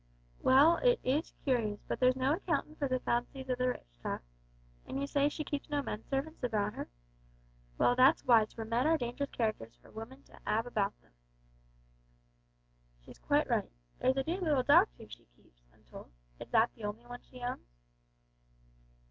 Well, it is curious, but there's no accountin' for the fancies o' the rich, Tot. An' you say she keeps no men servants about her? Well, that's wise, for men are dangerous characters for women to 'ave about 'em. She's quite right. There's a dear little dog too, she keeps, I'm told. Is that the only one she owns?"